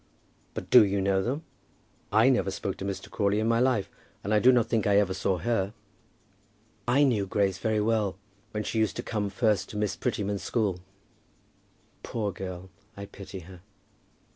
"But do you know them? I never spoke to Mr. Crawley in my life, and I do not think I ever saw her." "I knew Grace very well, when she used to come first to Miss Prettyman's school." "Poor girl. I pity her."